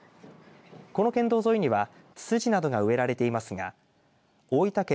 この県道沿いにはつつじなどが植えられていますが大分県